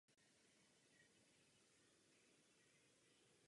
Kvůli svému židovskému původu byl před druhou světovou válkou vyhoštěn z Rakouska.